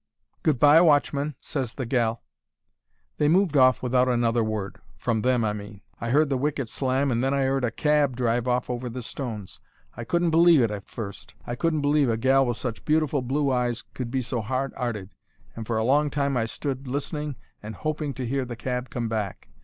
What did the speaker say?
"'Good bye, watchman,' ses the gal. "They moved off without another word—from them, I mean. I heard the wicket slam and then I 'eard a cab drive off over the stones. I couldn't believe it at first. I couldn't believe a gal with such beautiful blue eyes could be so hard 'earted, and for a long time I stood listening and hoping to 'ear the cab come back.